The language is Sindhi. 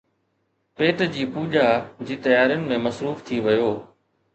پيٽ جي پوڄا جي تيارين ۾ مصروف ٿي ويو